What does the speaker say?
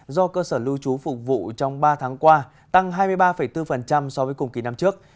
do cơ sở lưu trú phục vụ trong ba tháng qua tăng hai mươi ba bốn so với cùng kỳ năm trước